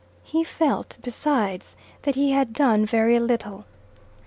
He felt, besides, that he had done very little.